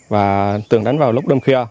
và thường đánh vào lúc đông khuya